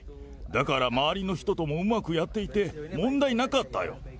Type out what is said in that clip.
だから周りの人ともうまくやっていて、問題なかったよ。